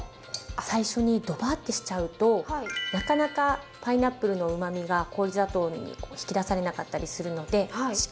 最初にドバッてしちゃうとなかなかパイナップルのうまみが氷砂糖に引き出されなかったりするので。